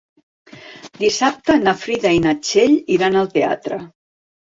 Dissabte na Frida i na Txell iran al teatre.